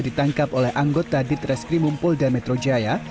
ditangkap oleh anggota ditreskrimumpul dan metro jaya